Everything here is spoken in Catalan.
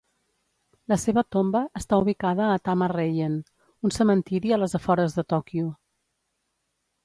La seva tomba està ubicada a Tama Reien, un cementiri a les afores de Tokyo.